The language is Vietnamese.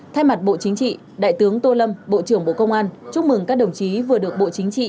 thay mặt bộ chính trị đại tướng tô lâm bộ trưởng bộ công an chúc mừng các đồng chí vừa được bộ chính trị